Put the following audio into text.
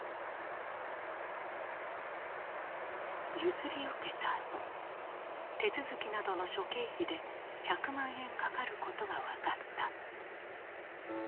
譲り受けたあと手続きなどの諸経費で１００万円かかることが分かった。